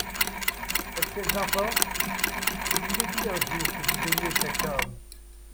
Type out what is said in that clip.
Est-ce qu'elles importent ? Je vous ai dit un jour que vous aimiez cet homme.